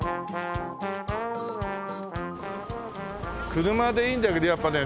車でいいんだけどやっぱね